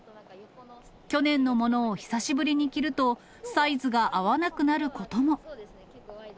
去年のものを久しぶりに着ると、サイズが合わなくなることも。